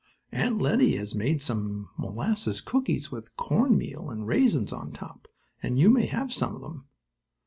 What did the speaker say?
Aunt Lettie has made some molasses cookies, with corn meal and raisins on top, and you may have some of them."